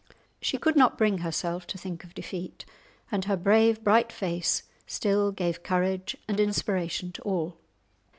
She could not bring herself to think of defeat, and her brave, bright face still gave courage and inspiration to all.